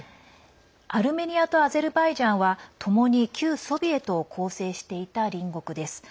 アルメニアとアゼルバイジャンはともに旧ソビエトを構成していた隣国です。